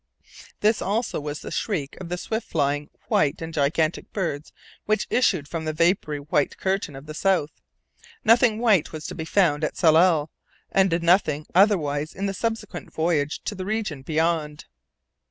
This also was the shriek of the swift flying, _white, _and gigantic birds which issued from the vapory _white_curtain of the South. Nothing _white_was to be found at Tsalal, and nothing otherwise in the subsequent voyage to the region beyond.